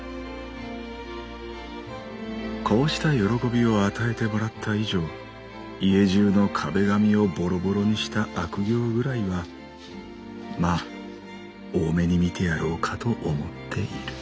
「こうした喜びを与えてもらった以上家中の壁紙をボロボロにした悪行ぐらいはまあ大目に見てやろうかと思っている」。